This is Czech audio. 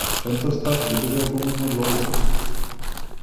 Tento stav vydržel poměrně dlouho.